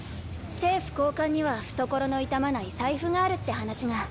政府高官には懐の痛まない財布があるって話が。